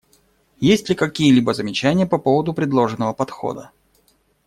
Есть ли какие-либо замечания по поводу предложенного подхода?